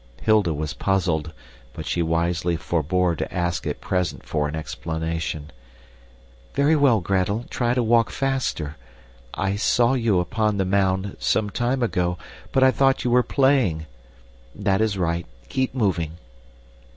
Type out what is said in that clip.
Hilda was puzzled, but she wisely forebore to ask at present for an explanation. "Very well, Gretel, try to walk faster. I saw you upon the mound, some time ago, but I thought you were playing. That is right, keep moving."